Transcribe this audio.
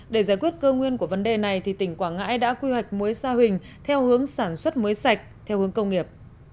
để giải quyết cơ nguyên của vấn đề này thì tỉnh quảng ngãi đã quy hoạch muối xa hình theo hướng sản xuất muối sạch theo hướng công nghiệp